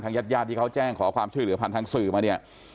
ญาติญาติที่เขาแจ้งขอความช่วยเหลือผ่านทางสื่อมาเนี่ย